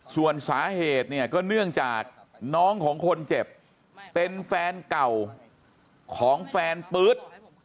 ส่วนสาเหตุเนี่ยก็เนื่องจากน้องของคนเจ็บเป็นแฟนเก่าของแฟนปื๊ด